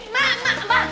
mbak mbak mbak